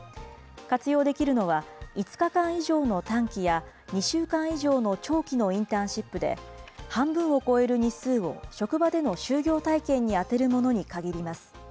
活用できるのは、５日間以上の短期や、２週間以上の長期のインターンシップで、半分を超える日数を職場での就業体験にあてるものに限ります。